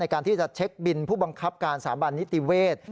การที่จะเช็คบินผู้บังคับการสถาบันนิติเวศ